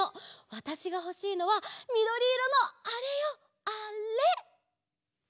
わたしがほしいのはみどりいろのあれよあれ。